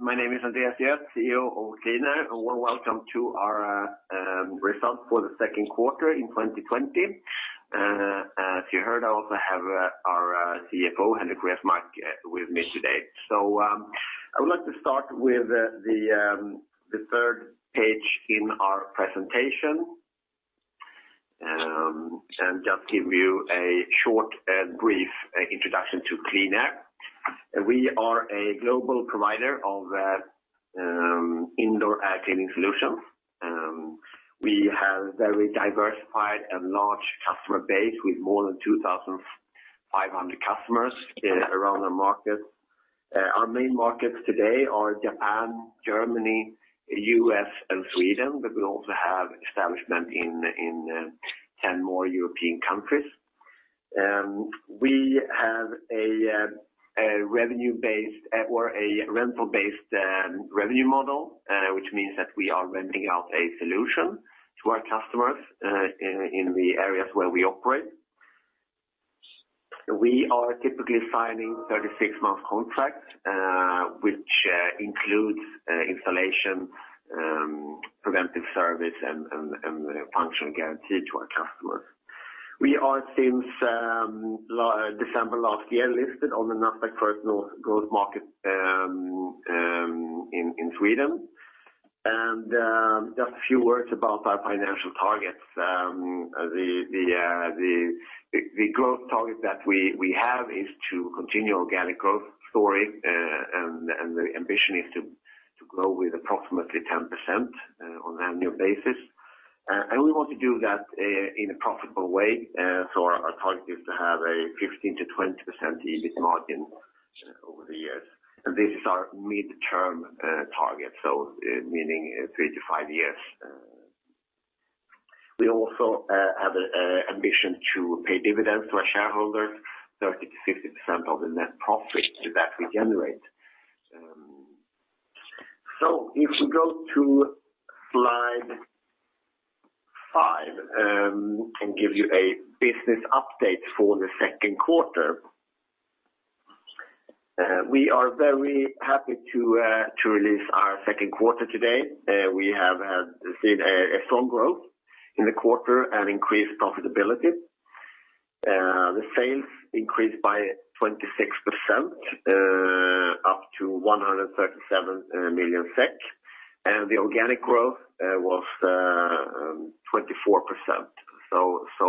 My name is Andreas Göth, CEO of QleanAir, warm welcome to our results for the second quarter in 2020. As you heard, I also have our CFO, Henrik Resmark, with me today. I would like to start with the third page in our presentation, just give you a short, brief introduction to QleanAir. We are a global provider of indoor air cleaning solutions. We have very diversified and large customer base with more than 2,500 customers around the market. Our main markets today are Japan, Germany, U.S., and Sweden, but we also have establishment in 10 more European countries. We have a rental-based revenue model, which means that we are renting out a solution to our customers in the areas where we operate. We are typically signing 36-month contracts which includes installation, preventive service, and function guarantee to our customers. We are, since December last year, listed on the Nasdaq First North Growth Market in Sweden. Just a few words about our financial targets. The growth target that we have is to continue organic growth story, and the ambition is to grow with approximately 10% on an annual basis. We want to do that in a profitable way. Our target is to have a 15%-20% EBIT margin over the years. This is our midterm target, so meaning three-five years. We also have an ambition to pay dividends to our shareholders, 30%-50% of the net profit that we generate. If we go to slide five, and give you a business update for the second quarter. We are very happy to release our second quarter today. We have seen a strong growth in the quarter and increased profitability. The sales increased by 26%, up to 137 million SEK, and the organic growth was 24%.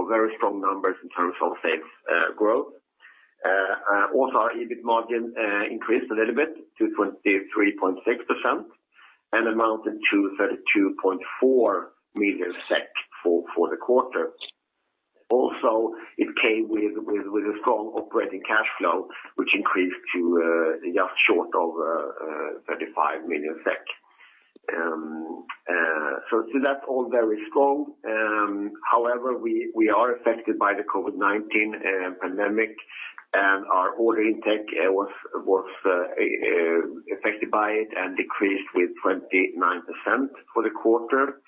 Very strong numbers in terms of sales growth. Our EBIT margin increased a little bit to 23.6% and amounted to 32.4 million SEK for the quarter. It came with a strong operating cash flow, which increased to just short of SEK 35 million. That's all very strong. However, we are affected by the COVID-19 pandemic, and our order intake was affected by it and decreased with 29% for the quarter.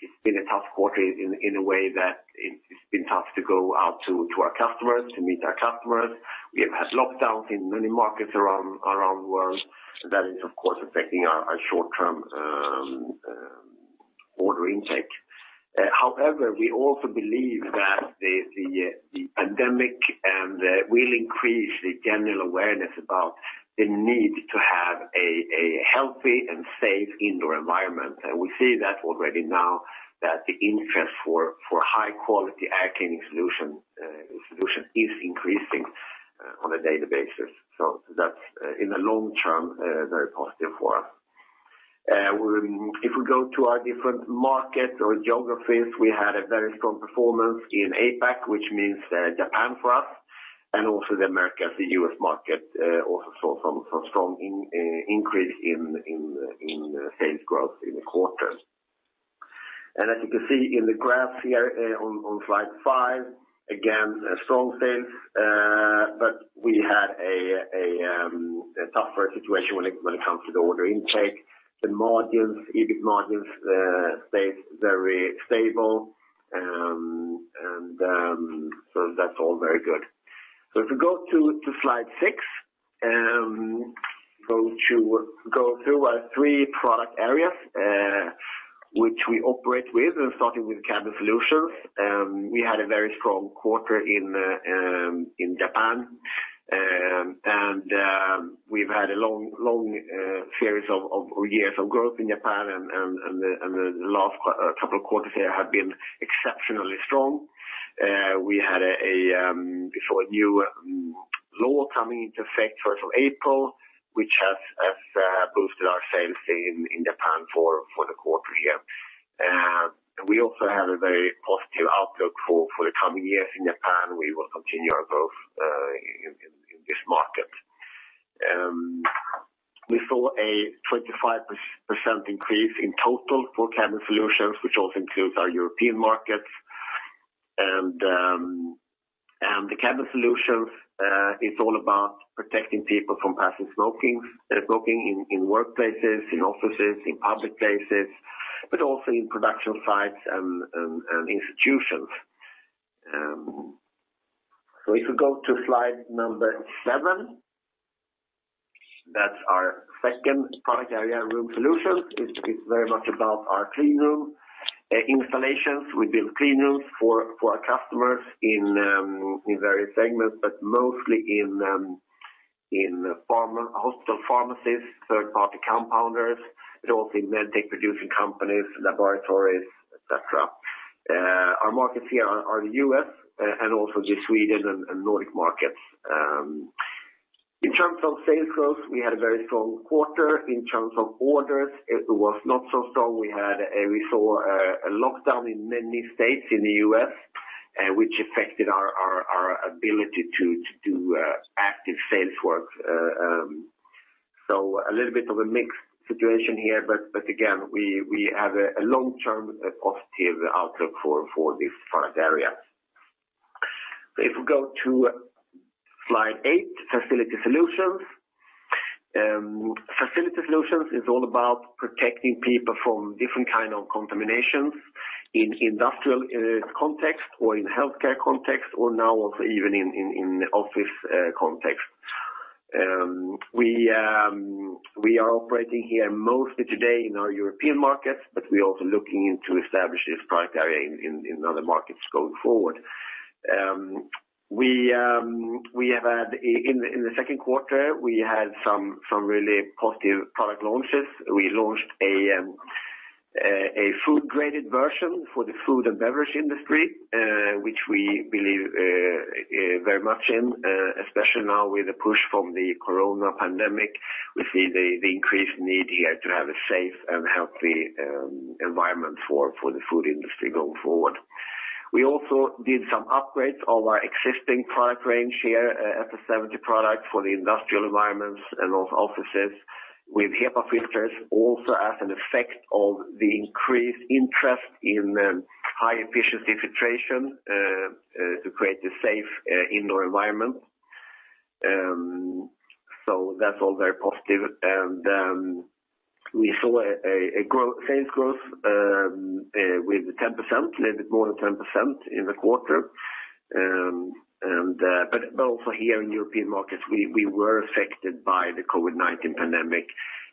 It's been a tough quarter in a way that it's been tough to go out to our customers, to meet our customers. We have had lockdowns in many markets around the world. That is, of course, affecting our short-term order intake. However, we also believe that the pandemic will increase the general awareness about the need to have a healthy and safe indoor environment. We see that already now that the interest for high-quality air cleaning solution is increasing on a daily basis. That's, in the long term, very positive for us. If we go to our different markets or geographies, we had a very strong performance in APAC, which means Japan for us, and also the Americas, the U.S. market also saw some strong increase in sales growth in the quarter. As you can see in the graphs here on slide five, again, strong sales, but we had a tougher situation when it comes to the order intake. The margins, EBIT margins, stayed very stable. That's all very good. If we go to slide six, go through our three product areas, which we operate with, starting with Cabin Solutions. We had a very strong quarter in Japan. We've had a long series of years of growth in Japan, and the last couple of quarters here have been exceptionally strong. We had a new law coming into effect 1st of April, which has boosted our sales in Japan for the quarter here. We also have a very positive outlook for the coming years in Japan. We will continue our growth in this market. We saw a 25% increase in total for Cabin Solutions, which also includes our European markets. The Cabin Solutions is all about protecting people from passive smoking in workplaces, in offices, in public places, but also in production sites and institutions. If we go to slide seven, that's our second product area, Room Solutions. It's very much about our clean room installations. We build clean rooms for our customers in various segments, but mostly in hospital pharmacies, third-party compounders, but also in medtech producing companies, laboratories, et cetera. Our markets here are the U.S., and also the Sweden and Nordic markets. In terms of sales growth, we had a very strong quarter. In terms of orders, it was not so strong. We saw a lockdown in many states in the U.S., which affected our ability to do active sales work. A little bit of a mixed situation here, but again, we have a long-term positive outlook for this product area. If we go to slide eight, Facility Solutions. Facility Solutions is all about protecting people from different kind of contaminations in industrial context or in healthcare context, or now also even in office context. We are operating here mostly today in our European markets, but we are also looking into establish this product area in other markets going forward. In the second quarter, we had some really positive product launches. We launched a food-graded version for the food and beverage industry, which we believe very much in, especially now with the push from the COVID-19 pandemic. We see the increased need here to have a safe and healthy environment for the food industry going forward. We also did some upgrades of our existing product range here, FS 70 product for the industrial environments and offices with HEPA filters, also as an effect of the increased interest in high-efficiency filtration to create a safe indoor environment. That's all very positive, and we saw a sales growth with 10%, a little bit more than 10% in the quarter. Also here in European markets, we were affected by the COVID-19 pandemic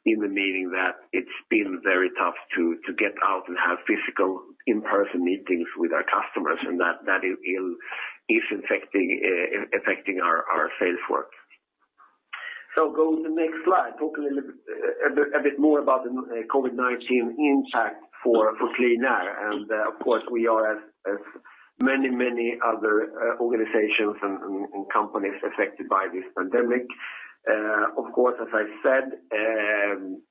in the meaning that it's been very tough to get out and have physical in-person meetings with our customers, and that is affecting our sales work. Go to the next slide. Talk a little bit more about the COVID-19 impact for QleanAir, and of course, we are, as many other organizations and companies, affected by this pandemic. Of course, as I said,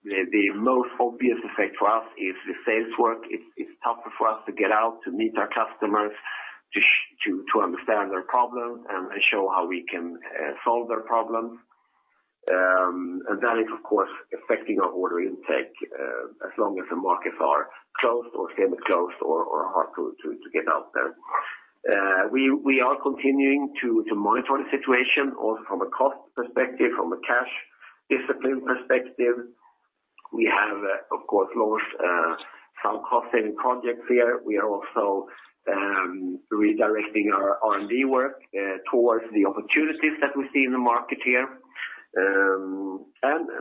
the most obvious effect for us is the sales work. It's tougher for us to get out to meet our customers, to understand their problems, and show how we can solve their problems. That is, of course, affecting our order intake as long as the markets are closed or semi-closed or hard to get out there. We are continuing to monitor the situation, also from a cost perspective, from a cash discipline perspective. We have, of course, launched some cost-saving projects here. We are also redirecting our R&D work towards the opportunities that we see in the market here.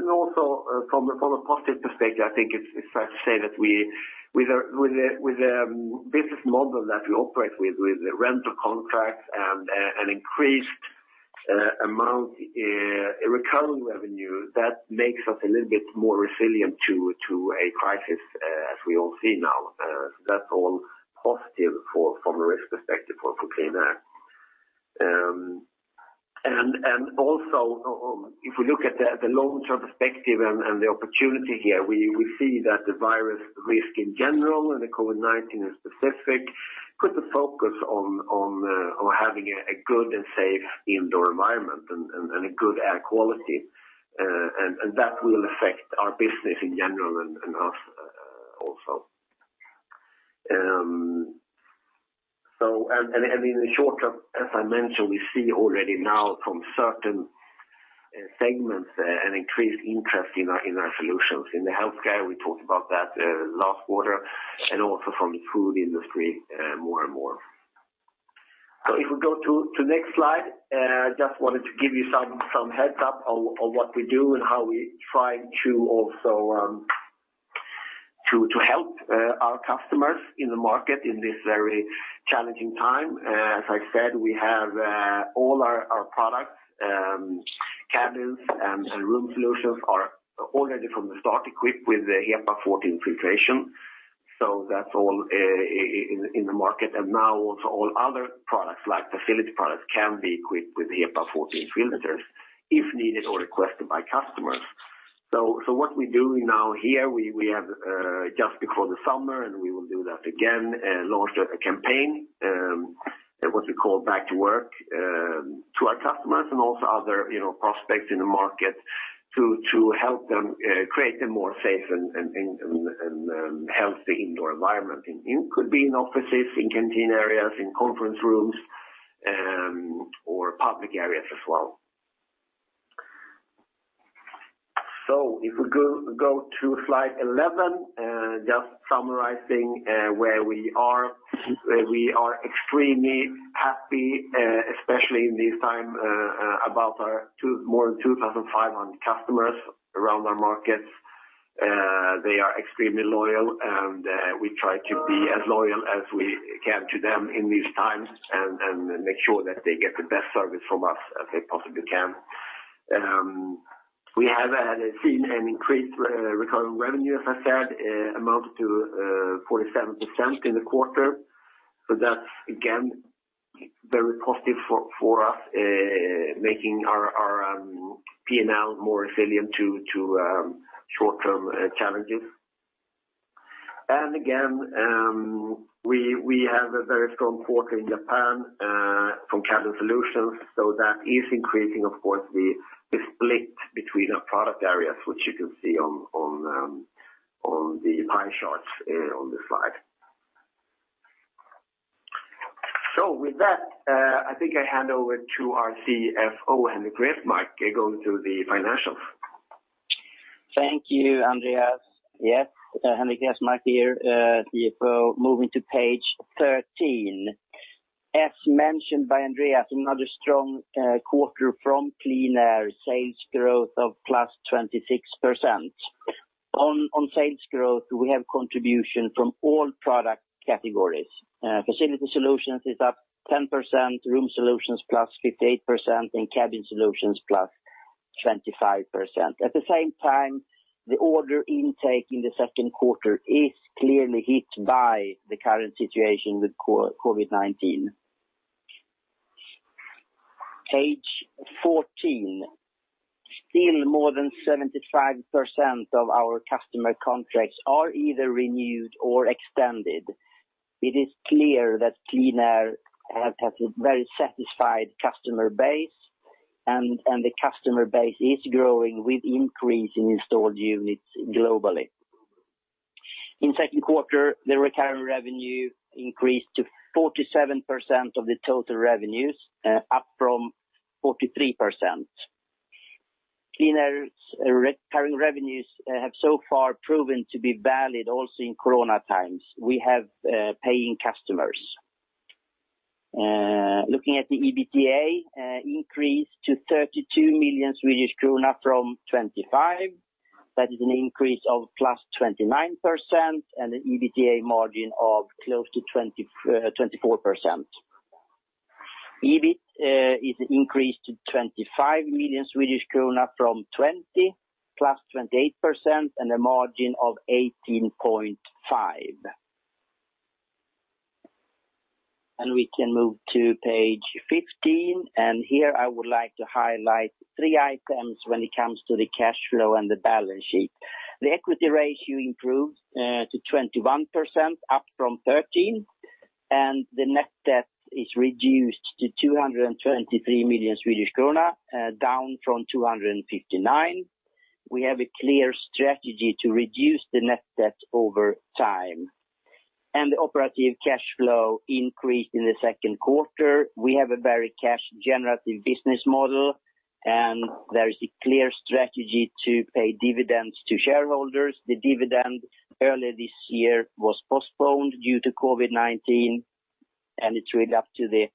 Also from a positive perspective, I think it's fair to say that with the business model that we operate with rental contracts and an increased amount in recurring revenue, that makes us a little bit more resilient to a crisis, as we all see now. That's all positive from a risk perspective for QleanAir. Also, if we look at the long-term perspective and the opportunity here, we see that the virus risk in general and the COVID-19 in specific, put the focus on having a good and safe indoor environment and a good air quality, and that will affect our business in general and us also. In the short term, as I mentioned, we see already now from certain segments an increased interest in our solutions. In the healthcare, we talked about that last quarter, and also from the food industry more and more. If we go to next slide, just wanted to give you some heads up on what we do and how we try to also help our customers in the market in this very challenging time. As I said, we have all our products, Cabin Solutions and Room Solutions are already from the start equipped with the HEPA 14 filtration. That's all in the market. Now also all other products like the Facility Solutions can be equipped with HEPA 14 filters if needed or requested by customers. What we do now here, we have, just before the summer, and we will do that again, launched a campaign, what we call Back to Work, to our customers and also other prospects in the market to help them create a more safe and healthy indoor environment. It could be in offices, in canteen areas, in conference rooms, or public areas as well. If we go to slide 11, just summarizing where we are, we are extremely happy, especially in this time about our more than 2,500 customers around our markets. They are extremely loyal, we try to be as loyal as we can to them in these times and make sure that they get the best service from us as they possibly can. We have seen an increased recurring revenue, as I said, amounted to 47% in the quarter. That's again, very positive for us, making our P&L more resilient to short-term challenges. Again, we have a very strong quarter in Japan from Cabin Solutions. That is increasing, of course, the split between our product areas, which you can see on the pie charts on the slide. With that, I think I hand over to our CFO, Henrik Resmark, going through the financials. Thank you, Andreas. Yes. Henrik Resmark here, CFO. Moving to page 13. As mentioned by Andreas, another strong quarter from QleanAir, sales growth of +26%. On sales growth, we have contribution from all product categories. Facility Solutions is up 10%, Room Solutions +58%, and Cabin Solutions +25%. At the same time, the order intake in the second quarter is clearly hit by the current situation with COVID-19. Page 14. Still more than 75% of our customer contracts are either renewed or extended. It is clear that QleanAir has a very satisfied customer base, and the customer base is growing with increase in installed units globally. In second quarter, the recurring revenue increased to 47% of the total revenues, up from 43%. QleanAir's recurring revenues have so far proven to be valid also in corona times. We have paying customers. Looking at the EBITDA increased to 32 million Swedish kronor from 25 million. That is an increase of +29% and an EBITDA margin of close to 24%. EBIT is increased to 25 million Swedish krona from 20 million, +28%, and a margin of 18.5%. We can move to page 15, and here I would like to highlight three items when it comes to the cash flow and the balance sheet. The equity ratio improved to 21%, up from 13%, and the net debt is reduced to 223 million Swedish krona down from 259 million. We have a clear strategy to reduce the net debt over time. The operative cash flow increased in the second quarter. We have a very cash generative business model, and there is a clear strategy to pay dividends to shareholders. The dividend earlier this year was postponed due to COVID-19, it's really up to the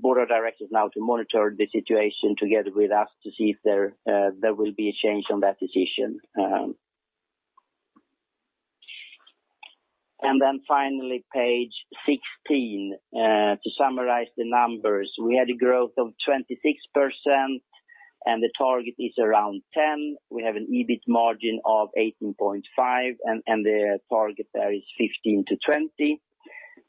board of directors now to monitor the situation together with us to see if there will be a change on that decision. Finally, page 16, to summarize the numbers, we had a growth of 26%, and the target is around 10%. We have an EBIT margin of 18.5%, and the target there is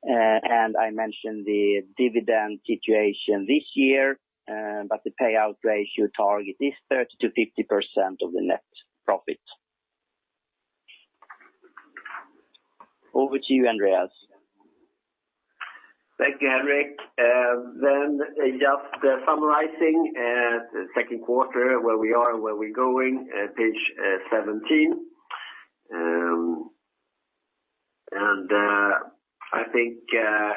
15%-20%. I mentioned the dividend situation this year, but the payout ratio target is 30%-50% of the net profit. Over to you, Andreas. Thank you, Henrik. Just summarizing the second quarter, where we are and where we're going at page 17. I think,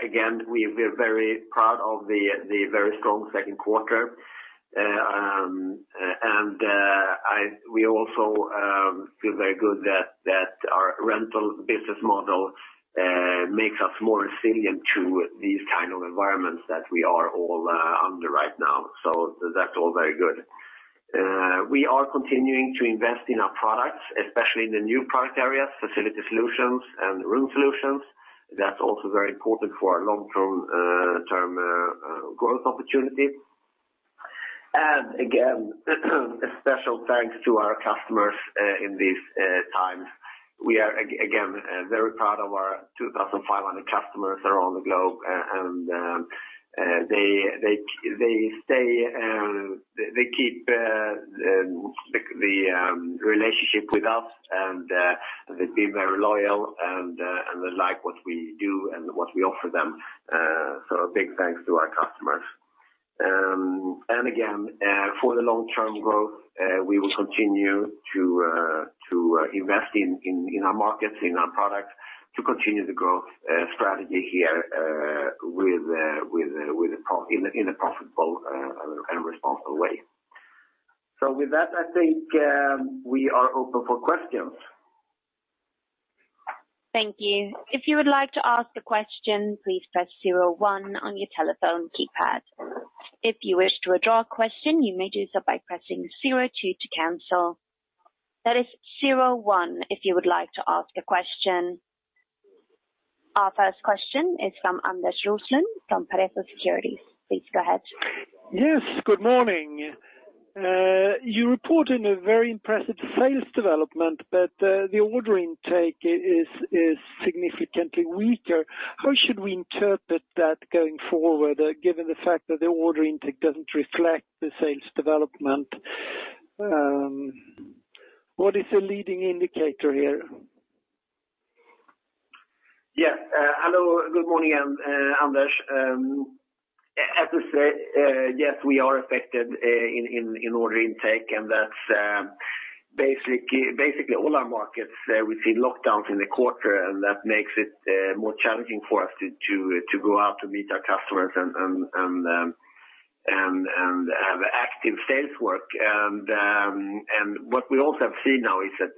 again, we're very proud of the very strong second quarter. We also feel very good that our rental business model makes us more resilient to these kind of environments that we are all under right now. That's all very good. We are continuing to invest in our products, especially in the new product areas, Facility Solutions and Room Solutions. That's also very important for our long-term growth opportunities. Again, a special thanks to our customers in these times. We are again, very proud of our 2,500 customers around the globe, and they keep the relationship with us, and they've been very loyal, and they like what we do and what we offer them. A big thanks to our customers. Again, for the long-term growth, we will continue to invest in our markets, in our products, to continue the growth strategy here in a profitable and responsible way. With that, I think we are open for questions. Thank you. If you would like to ask a question, please press zero one on your telephone keypad. If you wish to withdraw a question, you may do so by pressing zero two to cancel. That is zero one, if you would like to ask a question. Our first question is from Anders Roslund from Pareto Securities. Please go ahead. Yes, good morning. You report in a very impressive sales development. The order intake is significantly weaker. How should we interpret that going forward, given the fact that the order intake doesn't reflect the sales development? What is the leading indicator here? Yes. Hello, good morning, Anders. As I said, yes, we are affected in order intake, and that's basically all our markets. We've seen lockdowns in the quarter, and that makes it more challenging for us to go out to meet our customers and have active sales work. What we also have seen now is that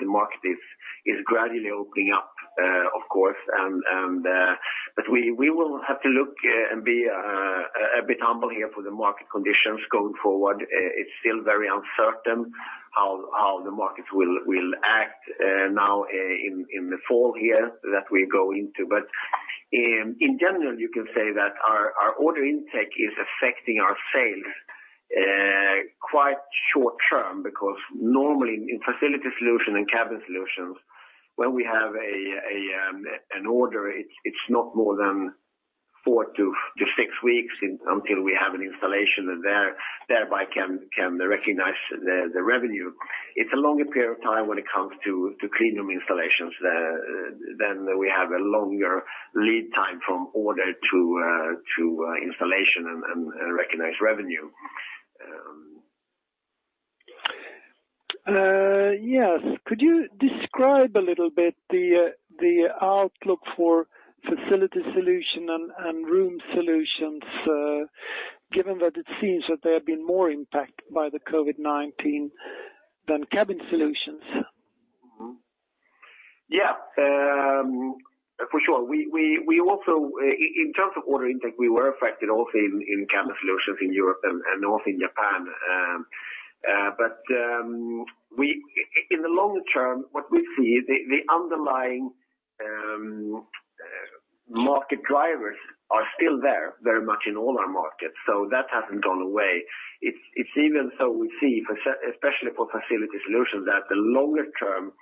the market is gradually opening up, of course. We will have to look and be a bit humble here for the market conditions going forward. It's still very uncertain how the markets will act now in the fall here that we go into. In general, you can say that our order intake is affecting our sales quite short-term, because normally in Facility Solutions and Cabin Solutions, when we have an order, it's not more than four to six weeks until we have an installation and thereby can recognize the revenue. It's a longer period of time when it comes to clean room installations. We have a longer lead time from order to installation and recognized revenue. Yes. Could you describe a little bit the outlook for Facility Solution and Room Solutions, given that it seems that they have been more impacted by the COVID-19 than Cabin Solutions? Yes, for sure. In terms of order intake, we were affected also in Cabin Solutions in Europe and also in Japan. In the longer term, what we see is the underlying market drivers are still there very much in all our markets. That hasn't gone away. It's even so we see, especially for Facility Solutions, that the longer-term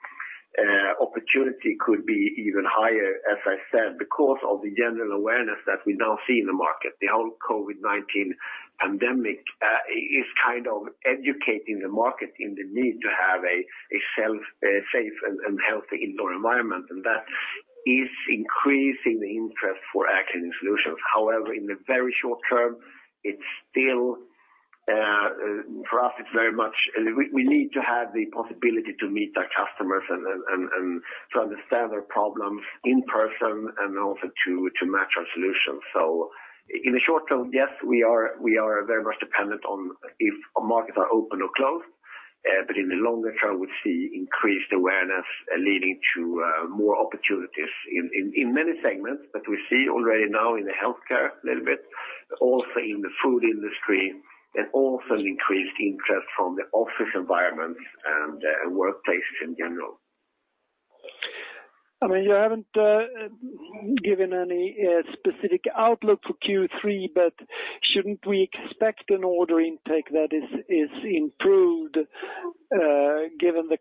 opportunity could be even higher, as I said, because of the general awareness that we now see in the market. The whole COVID-19 pandemic is kind of educating the market in the need to have a safe and healthy indoor environment, and that is increasing the interest for active solutions. In the very short term, for us, we need to have the possibility to meet our customers and to understand their problems in person and also to match our solutions. In the short term, yes, we are very much dependent on if markets are open or closed. In the longer term, we see increased awareness leading to more opportunities in many segments that we see already now in the healthcare a little bit, also in the food industry, and also increased interest from the office environments and workplaces in general. You haven't given any specific outlook for Q3, but shouldn't we expect an order intake that is improved given the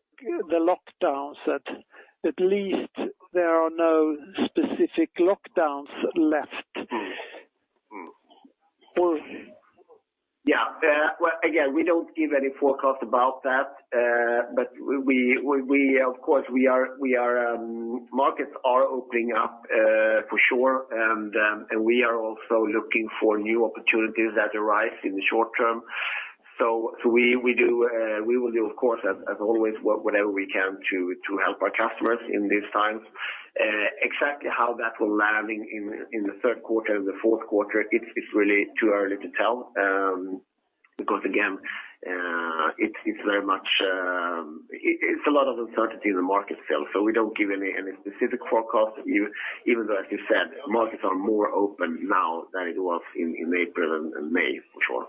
lockdowns, that at least there are no specific lockdowns left? Yes. Again, we don't give any forecast about that. Of course, markets are opening up for sure, and we are also looking for new opportunities that arise in the short term. We will do, of course, as always, whatever we can to help our customers in these times. Exactly how that will land in the third quarter and the fourth quarter, it's really too early to tell. Again, it's a lot of uncertainty in the market still. We don't give any specific forecast even though, as you said, markets are more open now than it was in April and May, for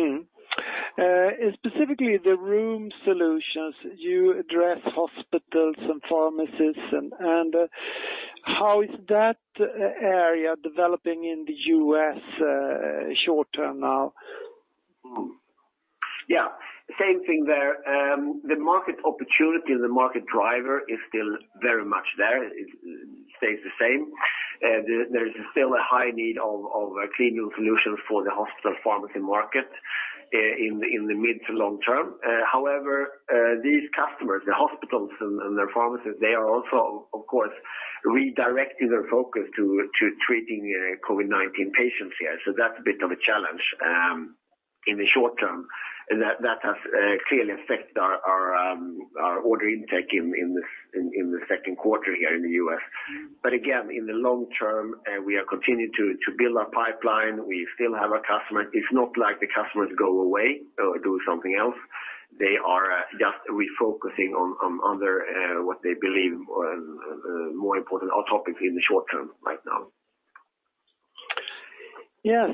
sure. Specifically, the Room Solutions, you address hospitals and pharmacists. How is that area developing in the U.S. short term now? Yes. Same thing there. The market opportunity, the market driver is still very much there. It stays the same. There's still a high need of clean room solutions for the hospital pharmacy market in the mid to long term. These customers, the hospitals and the pharmacies, they are also, of course, redirecting their focus to treating COVID-19 patients here. That's a bit of a challenge in the short term. That has clearly affected our order intake in the second quarter here in the U.S. Again, in the long term, we are continuing to build our pipeline. We still have our customers. It's not like the customers go away or do something else. They are just refocusing on what they believe are more important topics in the short term right now. Yes,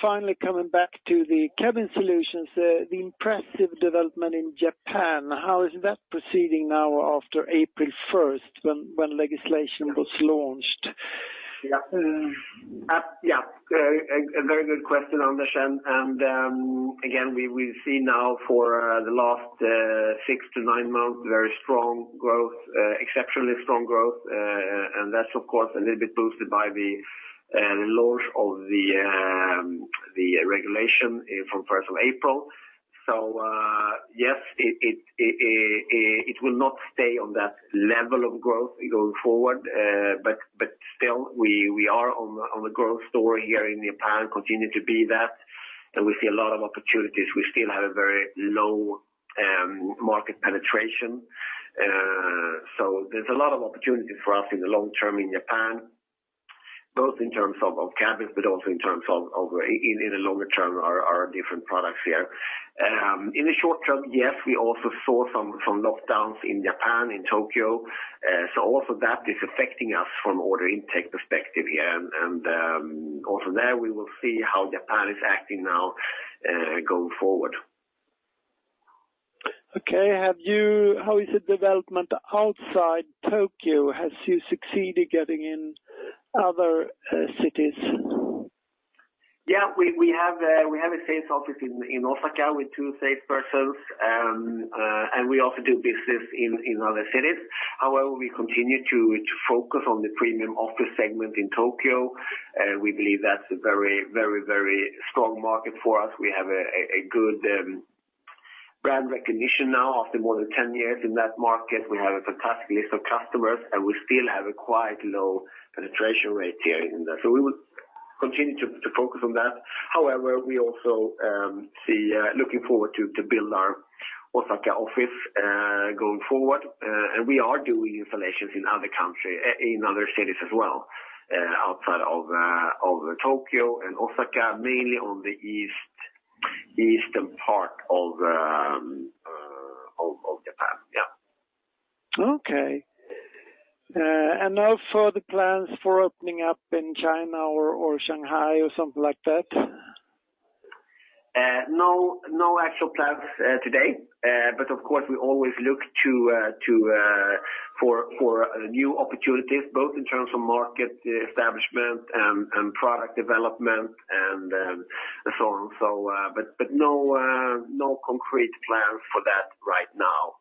finally coming back to the Cabin Solutions, the impressive development in Japan, how is that proceeding now after April 1st when legislation was launched? Yes. A very good question, Anders, again, we see now for the last six-nine months, very strong growth, exceptionally strong growth. That's of course a little bit boosted by the launch of the regulation from 1st of April. Yes, it will not stay on that level of growth going forward. Still we are on the growth story here in Japan, continue to be that. We see a lot of opportunities. We still have a very low market penetration. There's a lot of opportunity for us in the long term in Japan, both in terms of cabins but also in terms of, in the longer term, our different products here. In the short term, yes, we also saw some lockdowns in Japan, in Tokyo. Also that is affecting us from order intake perspective here. Also there, we will see how Japan is acting now, going forward. Okay. How is the development outside Tokyo? Has you succeeded getting in other cities? Yes, we have a sales office in Osaka with two salespersons. We also do business in other cities. However, we continue to focus on the premium office segment in Tokyo. We believe that's a very strong market for us. We have a good brand recognition now after more than 10 years in that market. We have a fantastic list of customers, and we still have a quite low penetration rate here in there. We will continue to focus on that. However, we also looking forward to build our Osaka office, going forward. We are doing installations in other cities as well, outside of Tokyo and Osaka, mainly on the eastern part of Japan. Yes. Okay. No further plans for opening up in China or Shanghai or something like that? No actual plans today. Of course, we always look for new opportunities, both in terms of market establishment and product development and so on. No concrete plans for that right now.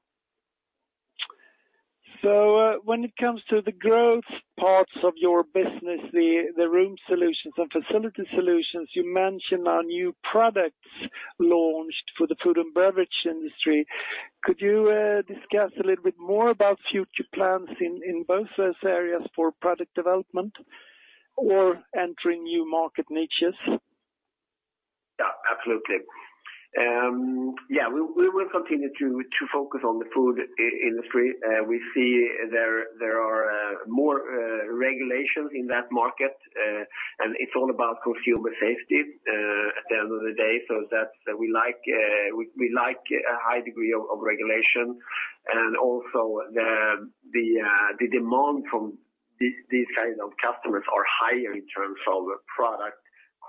When it comes to the growth parts of your business, the Room Solutions and Facility Solutions, you mentioned our new products launched for the food and beverage industry. Could you discuss a little bit more about future plans in both those areas for product development or entering new market niches? Yes, absolutely. We will continue to focus on the food industry. We see there are more regulations in that market, and it's all about consumer safety at the end of the day. We like a high degree of regulation, and also the demand from these kinds of customers are higher in terms of product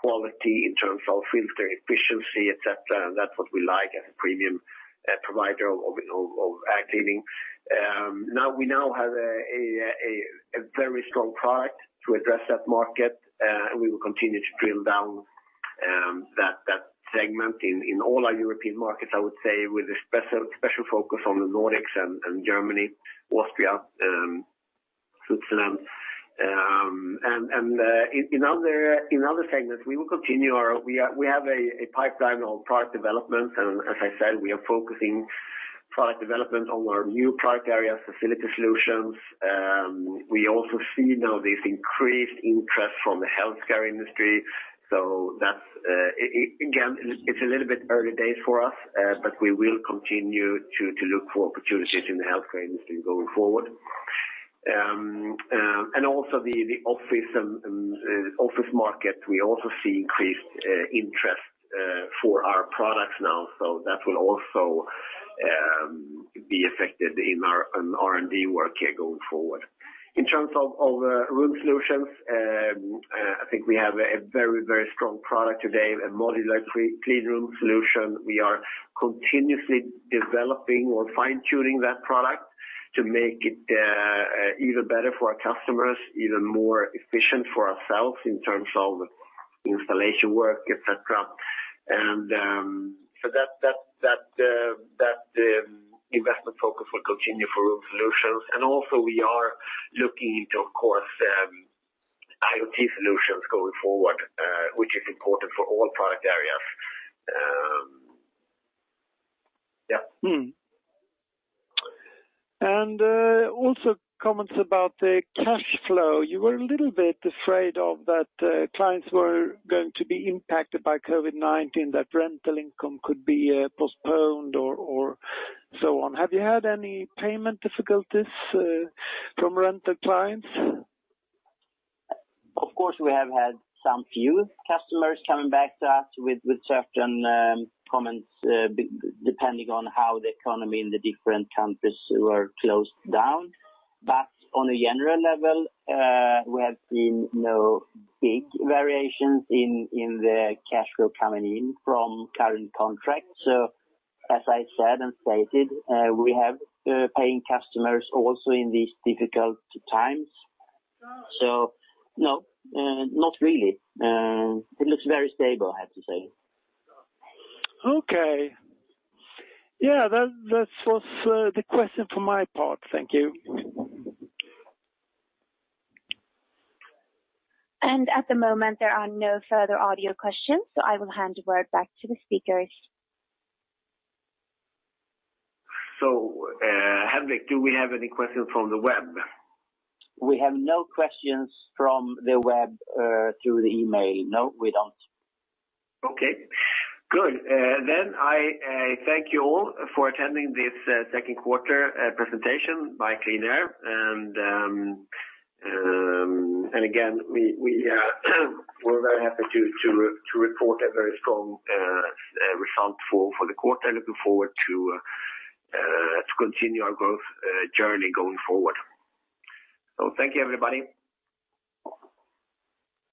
quality, in terms of filter efficiency, et cetera, and that's what we like as a premium provider of air cleaning. We now have a very strong product to address that market, and we will continue to drill down that segment in all our European markets, I would say, with a special focus on the Nordics and Germany, Austria, Switzerland. In other segments, We have a pipeline of product development, and as I said, we are focusing product development on our new product areas, Facility Solutions. We also see now this increased interest from the healthcare industry. Again, it's a little bit early days for us, but we will continue to look for opportunities in the healthcare industry going forward. Also the office market, we also see increased interest for our products now, so that will also be affected in our R&D work here going forward. In terms of Room Solutions, I think we have a very strong product today, a modular clean Room Solution. We are continuously developing or fine-tuning that product to make it even better for our customers, even more efficient for ourselves in terms of installation work, et cetera. That investment focus will continue for Room Solutions. Also we are looking into, of course, IoT solutions going forward, which is important for all product areas. Yes. Also comments about the cash flow. You were a little bit afraid of that clients were going to be impacted by COVID-19, that rental income could be postponed or so on. Have you had any payment difficulties from rental clients? Of course, we have had some few customers coming back to us with certain comments, depending on how the economy in the different countries were closed down. On a general level, we have seen no big variations in the cash flow coming in from current contracts. As I said and stated, we have paying customers also in these difficult times. No, not really. It looks very stable, I have to say. Okay. Yes, that was the question for my part. Thank you. At the moment, there are no further audio questions, so I will hand the word back to the speakers. Henrik, do we have any questions from the web? We have no questions from the web through the email. No, we don't. Okay, good. I thank you all for attending this second quarter presentation by QleanAir. Again, we're very happy to report a very strong result for the quarter, looking forward to continue our growth journey going forward. Thank you, everybody.